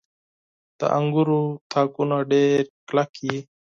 • د انګورو تاکونه ډېر کلک وي.